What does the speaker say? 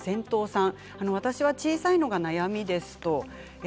私は小さいのが悩みです。